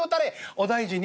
「お大事に」。